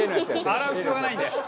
洗う必要がないんで！